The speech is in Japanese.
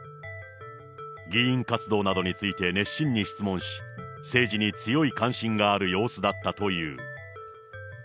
議員活動などについて熱心に質問し、政治に強い関心がある様子だったという。